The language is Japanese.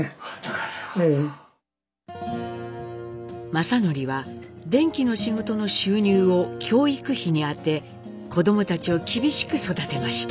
正徳は電気の仕事の収入を教育費に充て子どもたちを厳しく育てました。